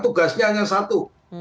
tugasnya hanya satu